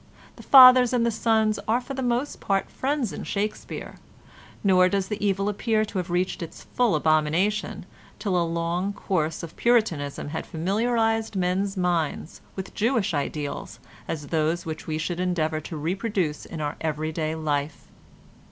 The fathers and the sons are for the most part friends in Shakespeare, nor does the evil appear to have reached its full abomination till a long course of Puritanism had familiarised men's minds with Jewish ideals as those which we should endeavour to reproduce in our everyday life.